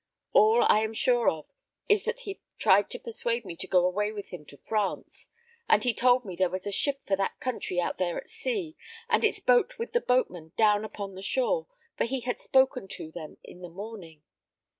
All I am sure of is that he tried to persuade me to go away with him to France; and he told me there was a ship for that country out there at sea, and its boat with the boatmen down upon the shore, for he had spoken to them in the morning.